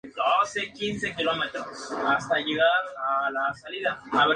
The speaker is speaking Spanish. Una de las canciones que cantaban Brian y Sinatra Jr.